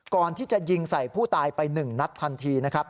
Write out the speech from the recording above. ก่อนที่จะยิงใส่ผู้ตายไป๑นัดทันทีนะครับ